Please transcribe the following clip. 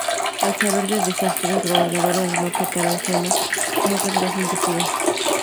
Al saber del desastre el gobernador ordenó que tal afrenta no quedara sin castigo.